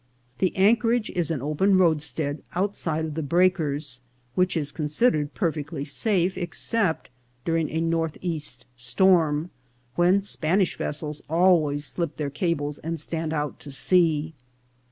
The anchorage is an open roadstead outside of the breakers, which is considered perfectly safe except during a northeast storm, when Spanish vessels always slip their cables and stand out to sea.